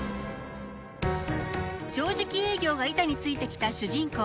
正直営業が板についてきた主人公